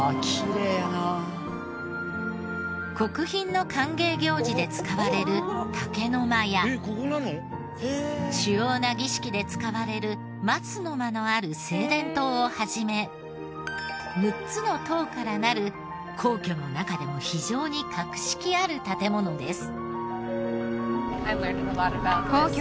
国賓の歓迎行事で使われる竹の間や主要な儀式で使われる松の間のある正殿棟を始め６つの棟からなる皇居の中でも非常に格式ある建物です。